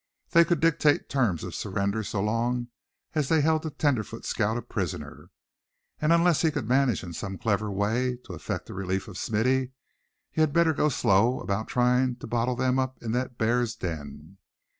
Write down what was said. They could dictate terms of surrender so long as they held the tenderfoot scout a prisoner. And unless he could manage in some clever way to effect the release of Smithy, he had better go slow about trying to bottle them up in that bear's den.